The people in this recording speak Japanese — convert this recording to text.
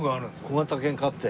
小型犬飼って？